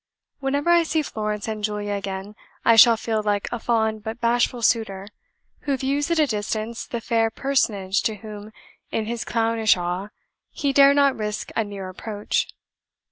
"Whenever I see Florence and Julia again, I shall feel like a fond but bashful suitor, who views at a distance the fair personage to whom, in his clownish awe, he dare not risk a near approach.